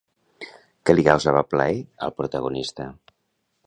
Què li causava plaer al protagonista?